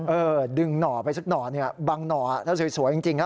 เออดึงหน่อไปซักหน่อบางหน่อแล้วสวยจริง